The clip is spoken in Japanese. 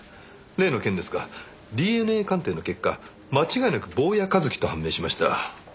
例の件ですがＤＮＡ鑑定の結果間違いなく坊谷一樹と判明しました。